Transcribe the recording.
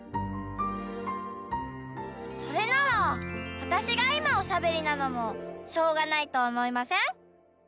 それならわたしがいまおしゃべりなのもしょうがないとおもいません？